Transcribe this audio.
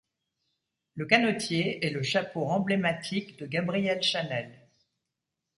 Le canotier est le chapeau emblématique de Gabrielle Chanel.